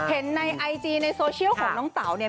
เห็นในไอจีในโซเชียลของน้องเต๋าเนี่ย